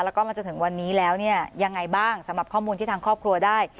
แล้วก็มาจนถึงวันนี้แล้วเนี่ยยังไงบ้างสำหรับข้อมูลที่ทางครอบครัวได้